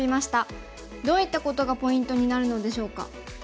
どういったことがポイントになるのでしょうか。